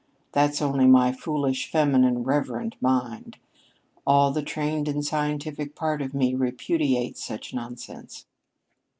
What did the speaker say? That's only my foolish, feminine, reverent mind. All the trained and scientific part of me repudiates such nonsense."